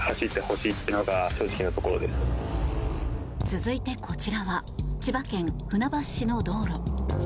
続いて、こちらは千葉県船橋市の道路。